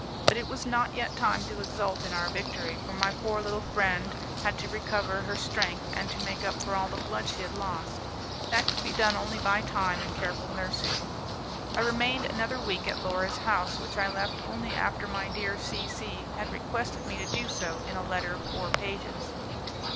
But it was not yet time to exult in our victory, for my poor little friend had to recover her strength and to make up for all the blood she had lost; that could be done only by time and careful nursing. I remained another week at Laura's house, which I left only after my dear C C had requested me to do so in a letter of four pages.